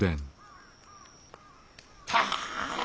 たあ！